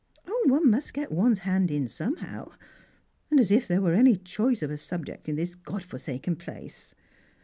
" 0, one must get one's hand in somehow. And as if thei e were any choice of a subject in this God forsaken place